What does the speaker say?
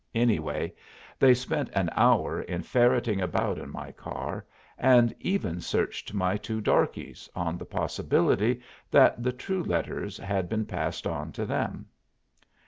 Anyway, they spent an hour in ferreting about in my car, and even searched my two darkies, on the possibility that the true letters had been passed on to them.